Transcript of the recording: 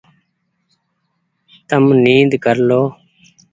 تم نيد ڪر لو ۔